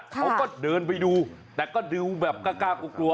เค้าก็เดินไปดูแต่ก็ดีลแบบกล้างกุ๊กลัว